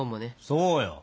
そうよ。